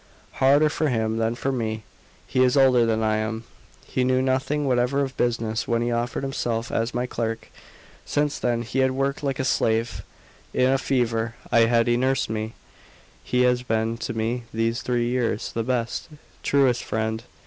"Harder for him than for me; he is older than I am. He knew nothing whatever of business when he offered himself as my clerk; since then he has worked like a slave. In a fever I had he nursed me; he has been to me these three years the best, truest friend.